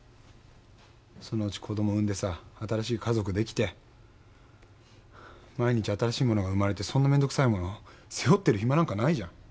そのうち子供産んでさぁ新しい家族できて毎日新しいものが生まれてそんな面倒くさいものを背負ってる暇なんかないじゃん。